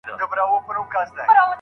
د سړي خطا په کومو قرینو ثابتیدلای سي؟